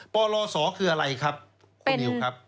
ปลศคืออะไรครับคุณนิวครับ